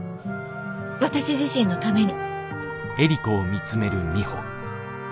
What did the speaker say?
私自身のために。